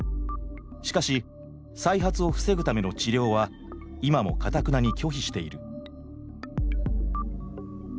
しかし再発を防ぐための治療は今もかたくなに拒否している。